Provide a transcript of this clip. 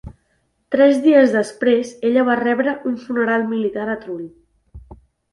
Tres dies després, ella va rebre un funeral militar a Trull.